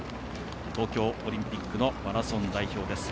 東京オリンピックのマラソン代表です。